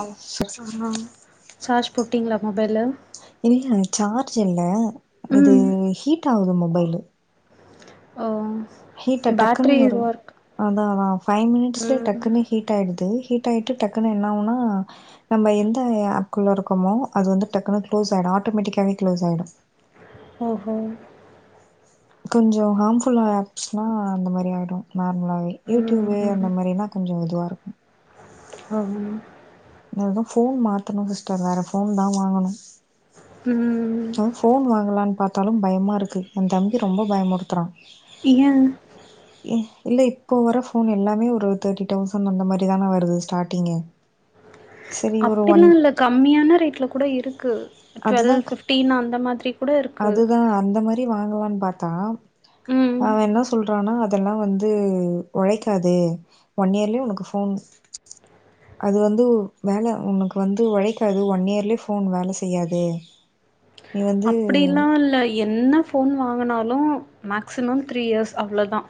ஆ sir ஆஹா charge போட்டீங்களா mobile இல்ல ஜார்ஜ் இல்ல இது ம் ஹீட் ஹூட் ஆகு மொபைல்லு ஓ ஹீட்டா பேட்ரி டக்குன்னு ஒரு இது வாருக் அதா அதா ஃபைவ் மினிட்ஸ்ல டக்குன்னு ஹீட் ஆயிடுது ஹீட் ஆயிட்டு டக்குன்னு என்ன ஆவுனா நம்ம எந்த ஆப்குள்ள இருக்கமோ அது வந்து டக்குன்னு க்ளோஸ் ஆய்டு ஆட்டோமேட்டிக்காகவே க்ளோஸ் ஆய்டு ஓஹோ கொஞ்சோ ஹாம்ஃபுல்லா ஆச்சுனா அந்த மாரி ஆய்டு நார்லாவே யூடியூப் அந்த ம் மாரினா கொஞ்சோ இதுவா இருக் ஆ மெய்னா ஃபோன் மாத்தனு சிஸ்டர் வேற ஃபோன்தா வாங்கணு ம் அதா ஃபோன் வாங்கலான்னு பாத்தாலு பயமா இருக்கு ஏ தம்பி ரொம்ப பயமுடுத்துறா ஏ இல்ல இப்போ வர ஃபோன் எல்லாமே ஒரு தேர்ட்டி தௌசண்ட் அந்த மாரிதானா வருது ஸ்டார்ட்டிங்கே அப்டிலா இல்ல கம்மியான ரேட்ல கூட இருக்கு டுவெல் அதுதா ஃபிஃப்டீன் அந்த மாதிரி கூட இருக்கு அப்டி வாங்லானு பாத்தா ம் அவ என்ன சொல்றானா அதெல்லா வந்து ஒழைக்காது ஒன் இயர்லியே உனக்கு ஃபோன் அது வந் து வேணா உனக்கு வந்து ஒழைக்காது ஒன் இயர்லியே ஃபோன் வேல செய்யாது நீ வந்து அப்டிலா இல்ல என்ன ஃபோன் வாங்குனாலு மேக்சிமம் த்ரீ இயர்ஸ் அவ்ளோதா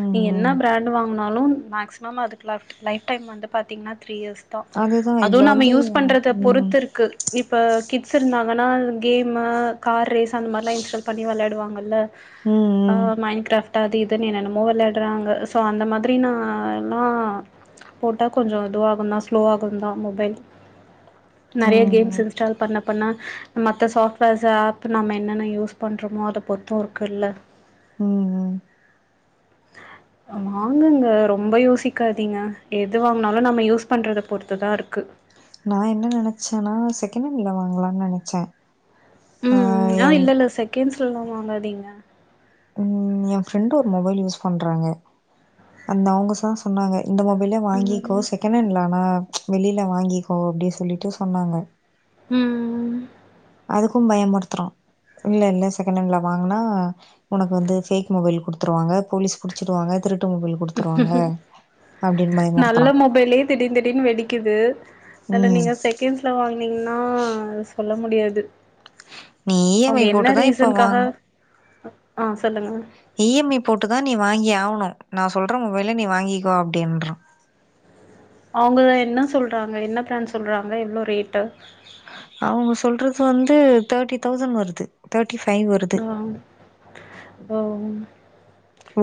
ம் நீங்க என்ன ம் ப்ராண்ட் வாங்னாலு மேக்சிமம் அதுக்கு லவ்ட் லைஃப் டைம் வந்து பாத்திங்ன்னா த்ரீ இயர்ஸ் த்தா அதுதா அது இதுல நம்ம வந்து யூஸ் பண்றத ம் பொறுத்து இருக்கு இப்ப கிட்ஸ் இருந்தாங்கன்னா கேமு கார் ரேஸ் அந்த மார்லா இன்ஸ்டால் பண்ணி வெளயாடுவாங்கல்ல ம் ஆ மைண்ட கிராஃப்ட் அது இதுன்னு என்னனோமோ வெளட்றாங்க சோ அந்த மாதிரி நா லா போட்டா கொஞ்சோ இதுவாகுந்தா ஸ்லோ ஆகுதா மொபைல் நறைய கேம்ஸ் ம் ம் இன்ஸ்டால் பண்ண பண்ண மத் மத்ந சாஃப்ட்வேர்ஸ்ஸூ ஆப் நம்ம என்னென்ன யூஸ் பண்றோமோ அத பொறுத்து இருக்குல்ல ம் வாங்குங்க ரொம்ப யோசிக்காதீங்க எது வாங்னாலு நம்ம யூஸ் பண்றத பொறுத்துதா இருக்கு நா என்ன நெனச்சன்னா செகண்ட் ஹேண்ட்ல வாங்கலான்னு நெனச்சே ஆ ம் ம் ஆ என் இல்லல்ல செகண்ட்ஸ்லல்லா வாங்காதிங்க ம் ஏ ஃப்ரெண்டு ஒரு மொபைல் யூஸ் பண்றாங்க அந்த அவுங்க தா சொன்னாங்க இந்த மொபைல வாங்கிக்கோ ம் செகணட்லா ஆனா வெளியில வாங்கிக்கோ அப்டி சொல்லிட்டு சொன்னாங்க ம் அதுக்கு பயமுட்த்துறா இல்ல இல்ல செகணட்ல வாங்குனா உனக்கு வந்து ஃவேக் மொபைல் குடுத்துருவாங்க போலீஸ் புடிச்சுடுவாங்க திருட்டு மொபைல் குடுத்துருவாங்க அப்டின்னு நல்ல பயமுறுத்துறா மொபைலே திடீர் திடீர்னு வெடிக்குது அதுல்ல ம் நீங்க செக ன்ட்ஸ்ல வாங்னீங்ன்னா சொல்ல முடியாது நீ இ எம் அவுங்க ஐ என்ன போட்டுதா இப்ப ரீசன்காக வாங் அ ஆ சொல்லுங்க இ எம் ஐ போட்டுதா நீ வாங்கி ஆவ்னு நா சொல்றே மொபைல்ல நீ வாங்கிக்கோ அப்டின்றா அவுங்க என்ன சொல்றாங்க என்ன பிராண்ட் சொல்றாங்க எவ்ளோ ரேட்டு் அவுங்க சொல்றது வந்து தேட்டி தௌசண் வருது தேட்டி ஃபை வருது ஆ ஓ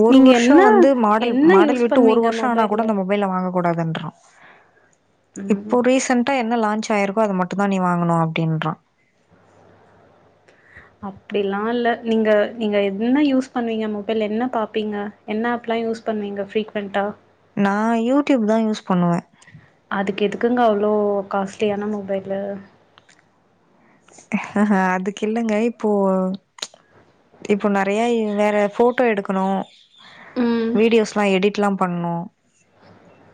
ஒரு நீங்க வருஷோ என்ன வந்து மாடல் என்ன மாடல் யூஸ் விட்டு ஒரு பண்ணுவீங்க வருஷோ ஆனா கூட மொபைல்ல நம்ம மொபைல வாங்கக்கூடாதுன்றொ ம் இப்ப ரீசன் ட்டா என்ன லான்ச் ஆயிருக்கோ அத மட்டு தா நீ வாங்கனு அப்டின்றா அப்பிடில்லா இல்ல நீங்க நீங்க என்ன யூஸ் பண்ணுவீங்க மொபைல்ல என்ன பாப்பீங்க? என்ன ஆப்லா யூஸ் பண்ணுவீங்க ஃப்ரீக்வென்ட்டா? நா யூடியூப் தா யூஸ் பண்ணுவே அதுக்கு எதுக்குங்க அவ்ளோ காஸ்லியான மொபைலு அதுக்கில்லங்க இப்போ இப்போ நெறையய் வேற ஃபோட்டோ எடுக்கனு ம் வீடியோஸ்லா எடிட்லா பண்ணு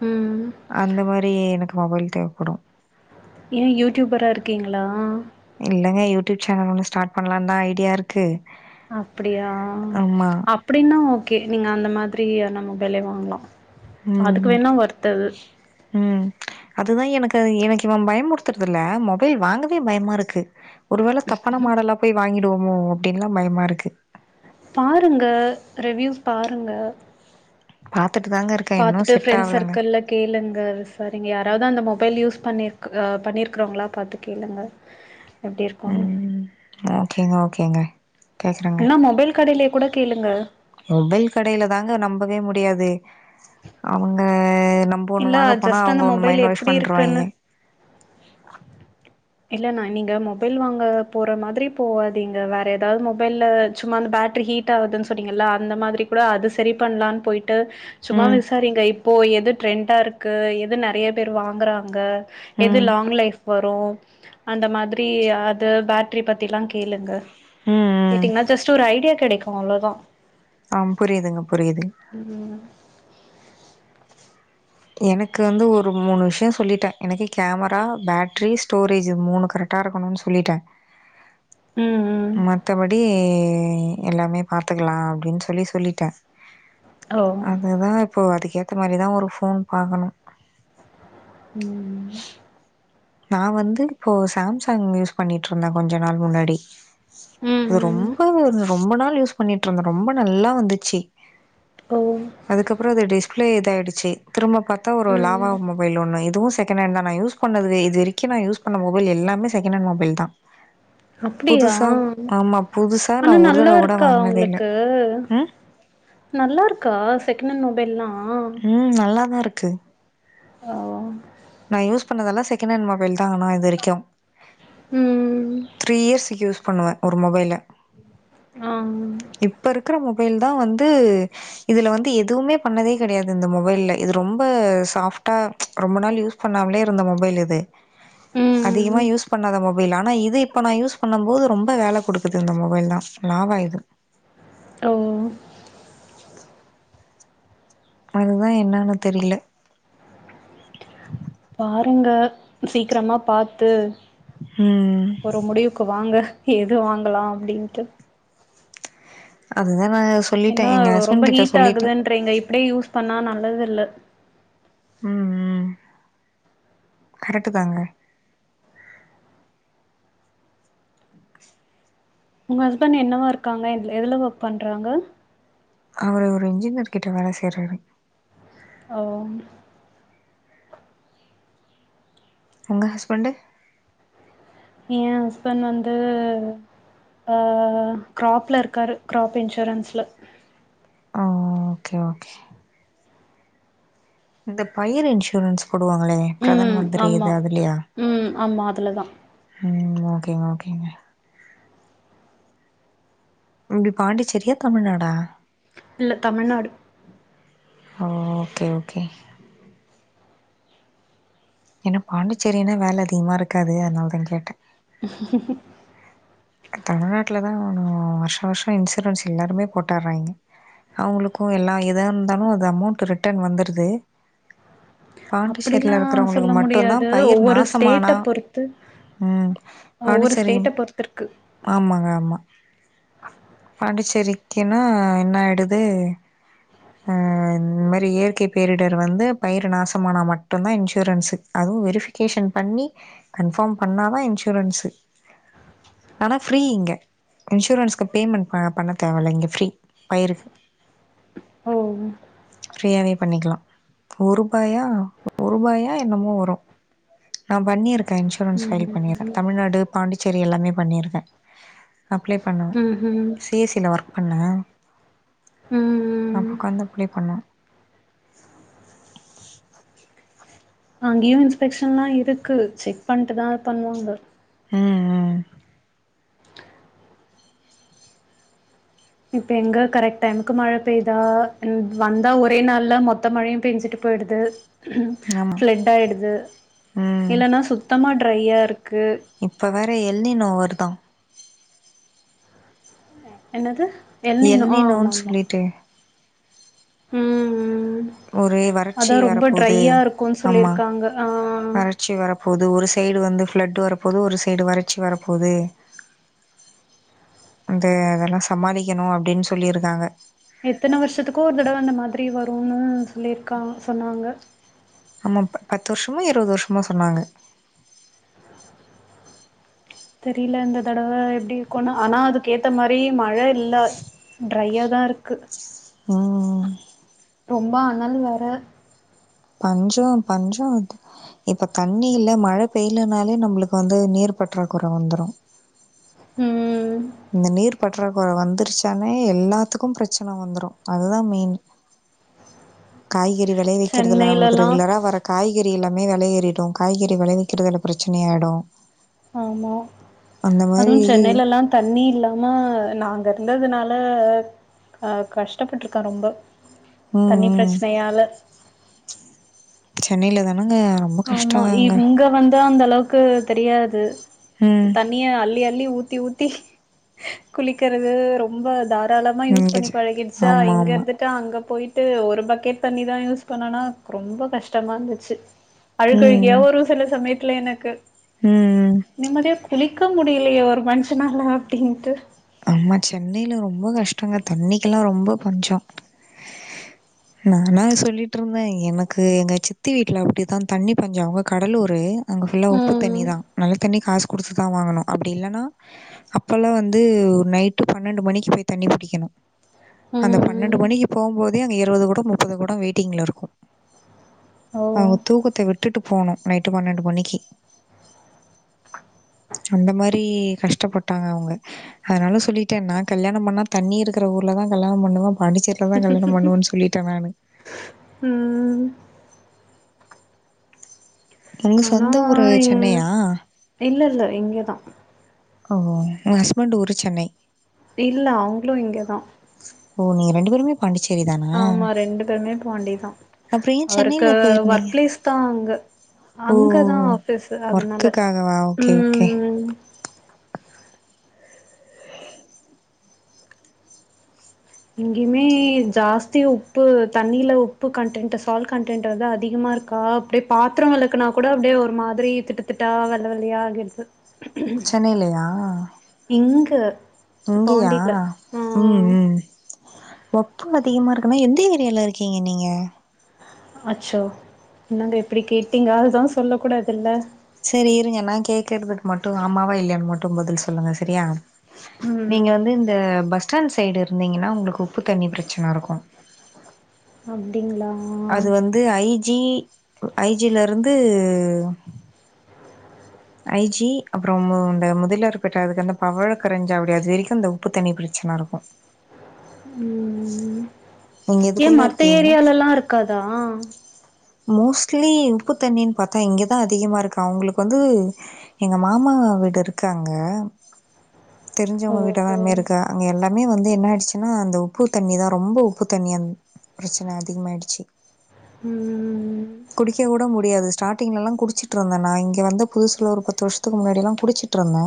ம் அந்த மாரி எனக்கு மொபைல் தேவப்படு ஏ யூட்யூபரா இருக்கீங்களா? இல்லெங்க யூட்யூப் சேனல் ஒன்னு ஸ்டாட் பண்லான் தா ஐடியாருக்கு அப்பிடியா அப்பிடின்னா ஓகே நீங்க அந்த மாதிரியான மொபைலே வாங்லா அதுக்கு ம் வேணா ஒர்த்தது ம் அதுதா எனக்கது எனக்கு இவெ பயம் முருத்றதுல்ல மொபைல் வாங்கவே பயமா இருக்கு ஒருவேள தப்பான மாடலா போய் வாங்கிடுவோமோ அப்டின்லா பயமா இருக்கு பாருங்க ரிவ்யூஸ் பாருங்க பாத்துட்டு தாங்க இரு பாத்துட்டு ஃபிரெண்ட்ஸ் சர்க்கிள்ல கேளுங்க ரிஃபரிங் யாராவ்து அந்த மொபைல் யூஸ் பண்ணிருக் ஆ பண்ணிருக்றவுங்ளா பாத்து கேளுங்க எப்டி இருக்கோனு ம் ஓகேங்க ஓகேங்க கேக்குறேங்க இல்னா மொபைல் கடைலே கூட கேளுங்க மொபைல் கடைல தாங்க நம்பவே முடியாது அவுங்க நம் நம்ப ஒன்னு வாங்க போனா ப ஒன்னு இல்ல வாங்கப்போனா ஜஸ்ட் அவுங்க அந்த ஒன்னு மொபைல் மைண்ட்வாஷ் எப்டி பண்ருவாய்ங்க இருக்குன்னு இல்ல னா நீங்க மொபைல் வாங்க போற மாதிரி போவாதீங்க வேற எதாவ் மொபைல்ல சும்மா அந்த பேட்ரி ஹீட் ட்டாவுதுன் சொன்னீங்கல்ல அந்த மாதிரி கூட அது சரி பண்லான் போயி ட்டு சும்மா ம் விசாரிங்க இப்போ எது ட்ரெண்டா இருக் கு எது நெறைய பேர் வாங்குறாங்க எது ம் லாங் லைஃப் வரு அந்த மாதிரி அது பேட்ரி பத்திலா கேளுங்க ம் ம் கேட்டீங்னா ஜஸ்ட் ஒரு ஐடியா கெடைக்கு அவ்ளொதா ஆம் புரியிதுங்க புரியிது ம் எனக்கு வந்து ஒரு மூணு விஷ்யொ சொல்லிட்டே எனக்கு கேமரா பேட்ரி ஸ்டோரேஜு இது மூணு கரெட் டா இருக்கனுன் சொல்லிட்டே ம் ம் மத்தபடி எல்லாமே பாத்துக்கலா அப்டின் சொல்லி சொல்லிட்டே ஓ அதுதா இப்போ அதுக்கேத்த மாரிதா ஒரு ஃபோன் பாக்கனு ம் நா வந்து இப்போ சாம்சங் யூஸ் பண்ணிட்ருந்தே கொஞ்ச நாள் முன்னாடி ம் இது ம் ரொம்ப ரொம்ப நாள் யூஸ் பண்ணிட்டு இருந்தே ரொம்ப நல்லா வந்துச்சு ஓ அதுக்கப்புறோ அது டிஸ்பிளே இதா ஆயிடுச்சு திரும்ப பாத்தா ஒரு லாவா ம் மொ பைல் ஒன்னுஇதுவு செகன்னென்டு தா நா யூஸ் பண்னதுலே இதுரைக்கு நா யூஸ் பண்ண மொபைல் எல்லாமே செகணன் மொபைல்தா அப்படியா ஆமா. புதுசா ஆனா நான் ஒரு நல்லா தடவ கூட இருக்கா வாங்கினதே இல்ல. உங்களுக்கு ம். நல்லா இருக்கா செகண்ஹான் மொபைல்லா உ நல்லாதா இருக்கு ஆ நா யூஸ் பண்ணதுலா செகண்ட் ஹண்ட் மொபைல் தா ஆனா இது வரைக்கு ம் த்ரீ இயர்ஸக்கு யூஸ் பண்ணுவே ஒரு மொபைல ஆ இப்ப இருக்குற மொபைல் தா வந்து இதுல வந்து எதுவுமே பண்ணதே கிடையாது இந்த மொபைல இது ரொம்ப சாஃப்டா ரொம்ப நாள் யூஸ் பண்ணாமலே இருந்த மொபைல் இது ம் அதிகமா யூஸ் பண்ணாத மொப பைல் ஆனா இது இப்போ நா யூஸ் பண்ணம்போது ரொம்ப வேல குடுக்குது இந்த மொபைல்தா லாவா இது ஓ அதுதா என்னனு தெரியல பாருங்க சீக்கிரமா பாத்து ம் ஒரு முடிவுக்கு வாங்க எது வாங்களா அப்டின்ட்டு அதுதானஸ் ஏன்னா ரொம்ப ஹீட் ஆகுதுன்றீங்க இப்டியே யூஸ் பண்ணா நல்லது இல்ல உ உ கரெக்ட்டு தாங்க உங்க ஹஸ்பண்ட் என்னவா இருக்காங்க எதுல ஒர்க் பண்றாங்க அவரு ஒரு இன்ஜினியர் கிட்ட வேல செய்றாரு ஓ உங்க ஹஸ்பண்டு ஏ ஹஸ்பண்ட் வந்து ஆ கிராப்ல இருக்காரு கிராப் இன்சூரன்ஸ்ல ஆ ஓகே ஓகே இந்த பயிர் இன்சூரன்ஸ் போடுவாங்களே பிரதான் ம் மந்திரி ஆமா இது அதுலயா ம் ஆமா அதுலதா உ ஓகேங்க ஓகேங்க நீங்க பாண்டிச்சேரியா தமிழ்நாடா இல்ல தமிழ்நாடு ஓ ஓகே ஓகே ஏன்னா பாண்டிச்சேரினா வேல அதிகமா இருக்காது அதுனால தா கேட்ட ம் ஹூ ஹூ ஹூ தமிழ்நாட்டுல தா ஒன்னு வருஷோ வருஷோ இன்சூரன்ஸ் எல்லாருமே போட்டர்றாங்க அவுங்களுக்கு எல்லா எதா இருந்தாலு அது அமௌண்ட்டு ரிட்டன் வந்துருது அப்படிலா பாண்டிச்சேரில இருக்குறவங்களுக்கு சொல்ல மட்டு தா முடியாது பயிர் ஒவ்வொரு ஸ்டேட்ட நாசமானா பொறுத்து உ பாண்டிச்சேறியு திருக்கு ஆமாங்க ஆமா பாண்டிச்சேரிக்குன்னா என்ன ஆய்டுது ஆ இந்தமாரி இயற்கை பேரிடர் வந்து பயிர நாசமானா மட்டுந்தா இன்சூரன்ஸு அதுவு வெரிஃபிகேஷன் பண்ணி கன்ஃபார்ம் பண்ணா தா இன்சூரன்ஸு ஆனா ஃப்ரீ இங்க இன்சூரன்ஸ்க்கு பேமெண்ட் ப பண்ண தேவ இல்ல இங்க ஃப்ரீ பயிருக்கு ஓ ஃப்ரீயாவே பண்ணிக்கலா ஒரு ரூபாயா ஒருபாயா என்னமோ வரு நா பண்ணிருக் இன்சூரன்ஸ் பைல் பண்ணிருவ ம் தமிழ்நாடு பாண்டிச்சேரி எல்லாமே பண்ணிருக்க அப்ளை பண்ண ம் பி ஐ சி ல ஒர்க் பண்ண ம் நா ஒக்காந்து அப்ளே பண்ண அங்கயும் இன்ஸ்பெக்ஷன்லா இருக்கு செக் பண்ட்டு தா பண்ணுவாங்க ம் ம் இப்ப எங்க கரெக்ட் டைமுக்கு மழை பெய்தா ம் வந்தா ஒரே நாள்ல மொத்த மழையும் பெய்ஞ்சுட்டு போயிடுது ம் ஆமாம் ஃப்ளட் ஆயிடுது ம் இல்லன்னா சுத்தமாக ட்ரையாருக்கு இப்ப வேற எல்னிநோ வருதா என்னது எல்னிநொ ஆ ஆமா எல்நினோன்னு ஆமா சொல்லிட்டு ம் ம் ஒரு வறட்சி அதா ரொம்ப வரப்போது ட்ரையா இருக்குன்னு சொல்லிருக்காங்க ஆ ஆ ட்சி வரப்போது ஒரு சைடு வந்து ஃப்ளட்டு் வரப்போது ஒரு சைடு வறட்சி வரப்போது அந்த அதெல்லா சமாளிக்கணும் அப்டின்னு சொல்லியிருக்காங்க எத்தன வருஷத்துக்கோ ஒரு தடவ அந்த மாதிரி வரும்ன்னு சொல்லிருக்கா சொன்னாங்க ஆமா பத்து வருஷமோ இருபது வருஷமோ சொன்னாங்க தெரில இந்த தடவ எப்டி இருக்குனு ஆனா அதுக்கு ஏத்த மாரி மழ இல்ல டிரையாதா இருக்கு ம் ரொம்ப அனல் வேற பஞ்சோ பஞ்சோ இப்ப தண்ணி இல்ல மழ பெய்யலனாலே நம்மளுக்கு வந்து நீர் பற்றாக்குற வந்துரும் ம் ம் ம் இந்த நீர் பற்றாக்குறை வந்துருச்சானே எல்லாத்துக்கும் பிரச்சன வந்துரும் அதுதா மெயின் காய்கறி வில எத்துறதுல நம்மளுக்கு சென்னையிலலாம் ரெகுலரா வர காய்கறி எல்லாமே வெல ஏறிடு காய்கறி வெளைவிக்கறதுல பிரச்சனை யாய்டு ஆமா மாதிரி அதுவும் சென்னைலலா தண்ணி இல்லாம நாங்க இருந்ததுனால ஆஹ் கஷ்டப்பட்டுருக்கா ரொம்ப ம் தண்ணி ம் பிரச்சனையால சென்னையில தானங்க ரொம்ப ஆமா கஷ்டங்க இங்க வந்து அந்த அளவுக் கு தெரியாது ம் தண்ணிய அள்ளி அள்ளி ஊத்தி ஊத் தி குளிக்கிறது ரொம்ப த தாராளமா யூஸ் இங்கே பண்ணி செ பழகிடுச்சா ஆமாம் இங்க ஆமாம் இருந்துட்டு அங்க போயிட் ட்டு ஒரு பக்கெட் தண்ணிதா யூஸ் பண்ணனா ரொம்ப கஷ்டமா இருந்துச்சு அழுகழுகயா வரு சில சமயத்துல எனக்கு ம் ம் நிம்மதியா குளிக்க முடியலயே ஒரு மனுஷனால அப்டின்ட்டு ஆமா சென்னையில ரொம்ப கஷ்டங்க தண்ணிக்கெல்லா ரொம்ப பஞ்சோ நாந்தாங்க சொல்லிட்டுருந்த எனக்கு எங்க சித்தி வீட்ல அப்டிதா தண்ணி பஞ்சோ அவுங்க கடலூரு அங்க ஃபுல்லா உப்பு ம் தண்ணிதா நல்ல தண்ணி காசு குடுத்துதா வாங்கணு அப்டி இல்லனா அப்பலா வந் து நைட்டு பன்னெண்டு மணிக்கு போய் தண்ணி பிடிக்கணு அந்த பன்னெண்டு ம் மணிக்கு போம்போதே அங்க இருவது கொடொ முப்பது கொடொ வெயிட்டிங்ல இருக்கும் ஓ அவங்க தூக்கத்த விட்டுட்டு போனும் நைட்டு பன்னெண்டு மணிக்கு அந்த மாரி கஷ்டப்பட்டாங்க அவுங்க அதனால சொல்லிட்டே நா கல்யாணம் பண்ணா தண்ணி இருக்கிற ஊர்ல தான் கல்யாணம் பண்ணுவே பாண்டிச்சேரி தா கல்யாணம் பண்ணுவன் சொல்லிட்டே நானு ம் உங்க சொந்த ஊரு சென்னையா இல்லல்ல இங்கதா எங்க ஹஸ்பண்டு ஊரு சென்னை இல்ல அவுங்களு இங்கதா ஓ நீங்க ரெண்டு பேருமே பாண்டிச்சேரி தானா ஆமா ரெண்டு பேருமே பாண்டிதா அப்புற ஏன் அவருக்கு சென்னையில போய் ஒர்க் இருந்தீங்க பிளேஸ் தா அங்க ஓ அங்கதா ஓ ஆஃபீஸு அதனால ஒர்க்குகாகவா ஓகே ஓகே ம் இங்கேயுமே ஜாஸ்தி உப்பு தண்ணியில உப்பு கண்டன்ட் சால்ட் கண்டன்ட் வந்து அதிகமா இருக் க்கா அப்புடியே பாத்திரோ வெளக்குனா கூட அப்புடியே ஒரு மாதிரி திட்டுத்திட்டா வெள்ள வெள்ளையா ஆகிடுது சென்னைலியா இங்க இங்கயா பாண்டில ஆ உப்பு அதிகமா இருக்குன்னா எந்த ஏரியால இருக்கீங்க நீங்க அச்சோ என்னங்க இப்புடி கேட்டீங்க அதுதா சொல்ல கூடாது இல்ல சேரி இருங்க நா கேக்குறதுக்கு மட்டு ஆமாவா இல்லலையான் மட்டு பதில் சொல்லுங்க சரியா நீங்க ம் வந்து இந்த பஸ் ஸ்டாண்ட் சைடு இருந்தீங்கன்னா உங்களுக்கு உப்பு தண்ணி பிரச்சனருக்கு அப்டிங்களா அது வந்து ஐ ஜி ஐ ஜி லருந்து ஐ ஜி அப்பறோ இந்த முதலியார்பேட்ட அதுக்கு அந்த பவலக் கரஞ்சாவடி அது வரைக்கு இந்த உப்பு தண்ணி பிரச்சன இருக்கு ம் ம் நீங்க ஏ இதுக்குள்ள மத்த இருக்கீங்களா ஏரியாலல்லா இருக் அக்காதா மோஸ்ட்லி உப்பு தண்ணின் பாத்தா இங்கதா அதிகமா இருக்கா உங்களுக்கு வந்து எங்க மாமா வீடு இருக்கு அங்க தெரிஞ்சவுங்க வீடு ஓஹோ எல்லாமே இருக்கா அங்க எல்லாமே வந்து என்ன ஆயிடுச்சுன்னா அந்த உப்பு தண்ணி தா ரொம்ப உப்பு தண்ணி பிரச்சன அதிகமாயிடுச்சு ம் குடிக்க கூட முடியாது ஸ்டார்டிங்லல்லா குடிச்சிட்ருந்தே நான் இங்கே வந்து புதுசுல ஒரு பத்து வருஷத்துக்கு முன்னாடியெல்லா குடிச்சிட்டுருந்தே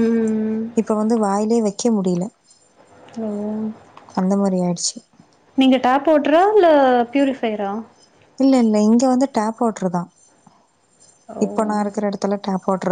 ம் இப்ப வந்து வாயிலயே வைக்க முடியல அந்த மாரி ஆயிடுச்சு நீங்க டேப் வாட்ரா இல்ல பியூரிஃபையரா இல்ல இல்ல இங்க வந்து டேப் வாட்டர்தான் இப்போ ஓ நான் இருக்கிற எடத்துல டேப் வாட்டர்